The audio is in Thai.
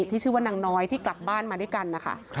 ที่ชื่อว่านางน้อยที่กลับบ้านมาด้วยกันนะคะ